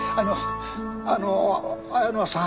あの綾乃さん。